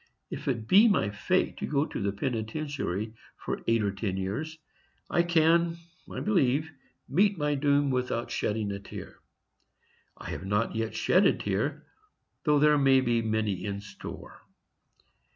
If it be my fate to go to the penitentiary for eight or ten years, I can, I believe, meet my doom without shedding a tear. I have not yet shed a tear, though there may be many in store.